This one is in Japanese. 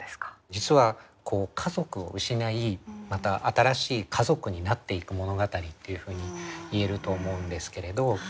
実は家族を失いまた新しい家族になっていく物語というふうに言えると思うんですけれど。